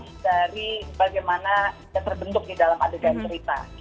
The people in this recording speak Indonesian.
tapi bisa lepas dari bagaimana yang terbentuk di dalam adegan cerita gitu